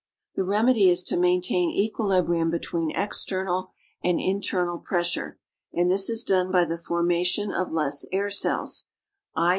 The remedy is to maintain equilibrium between external and internal pressure, and this is done by the formation of less air cells: i.